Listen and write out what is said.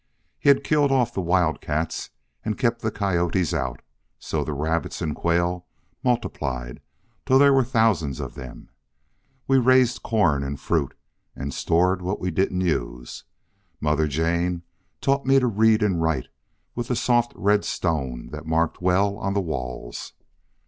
He had killed off the wildcats and kept the coyotes out, so the rabbits and quail multiplied till there were thousands of them. We raised corn and fruit, and stored what we didn't use. Mother Jane taught me to read and write with the soft red stone that marked well on the walls.